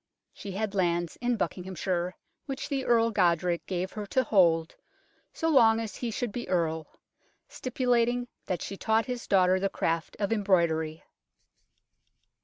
She had lands in Buckinghamshire which the Earl Godric gave her to hold so long as he should be Earl, stipulating that she taught his daughter the craft of embroidery.